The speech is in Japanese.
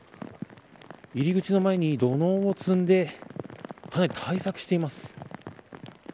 入り口の前に土のうを積んでかなり対策しています。